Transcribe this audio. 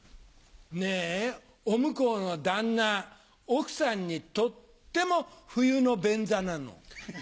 ねぇお向こうの旦那奥さんにとっても冬の便座なの。